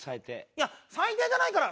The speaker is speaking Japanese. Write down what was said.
いや最低じゃないから！